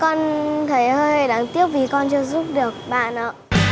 con thấy hơi đáng tiếc vì con chưa giúp được bạn ạ